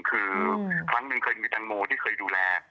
คือครั้งหนึ่งเคยมีแตงโมที่เคยดูแล